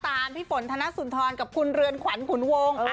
โรงสาธารพิฝนธนสุนทรกับคุณเรือนขวัญขุนวง